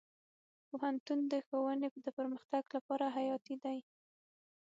پوهنتون د ښوونې د پرمختګ لپاره حیاتي دی.